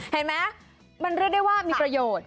เห็นไหมมันเรียกได้ว่ามีประโยชน์